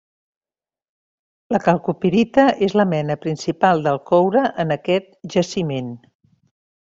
La calcopirita és la mena principal del coure en aquest jaciment.